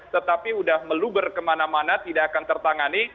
tetapi sudah meluber kemana mana tidak akan tertangani